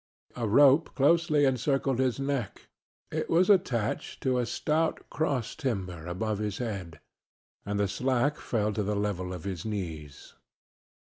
A rope closely encircled his neck. It was attached to a stout cross timber above his head and the slack fell to the level of his knees.